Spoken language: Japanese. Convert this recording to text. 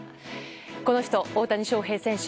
この人、大谷翔平選手。